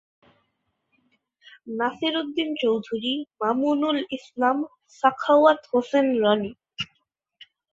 Nasiruddin Chowdhury, Mamunul Islam, Sakhawat Hossain Roni.